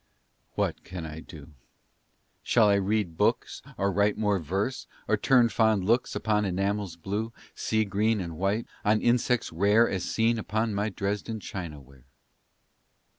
What can I do? Shall I read books, Or write more verse or turn fond looks Upon enamels blue, sea green, And white on insects rare as seen Upon my Dresden china ware?